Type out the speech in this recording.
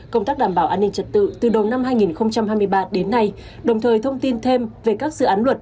công tác đảm bảo an ninh trật tự từ đầu năm hai nghìn hai mươi ba đến nay đồng thời thông tin thêm về các dự án luật